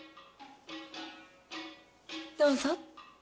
どうぞ。